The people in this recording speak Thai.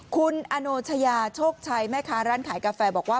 คุณอโนชยาโชคชัยแม่ค้าร้านขายกาแฟบอกว่า